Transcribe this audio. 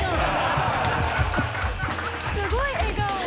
「」「すごい笑顔」